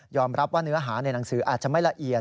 รับว่าเนื้อหาในหนังสืออาจจะไม่ละเอียด